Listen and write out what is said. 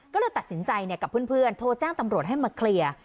ก็เลยตัดสินใจกับเพื่อนโทรแจ้งตำรวจให้มาเคลียร์